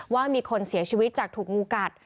ว่ามีคนเสียชีวิตจากถูกงูกัด